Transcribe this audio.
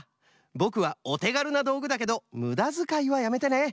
ぼくはおてがるなどうぐだけどむだづかいはやめてね！